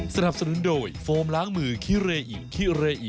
สนับสนุนโดยโฟมล้างมือคิเรอิคิเรอิ